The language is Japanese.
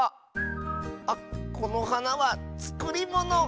あっこのはなはつくりもの！